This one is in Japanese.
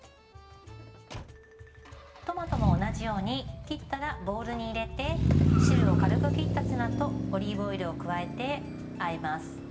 トマトも同じように切ったらボウルに入れて汁を軽く切ったツナとオリーブオイルを加えてあえます。